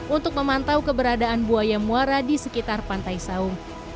untuk memantau keberadaan buaya muara di sekitar pantai saung